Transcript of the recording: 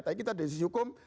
tapi kita dari sisi hukum